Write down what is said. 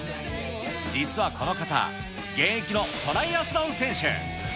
実はこの方、現役のトライアスロン選手。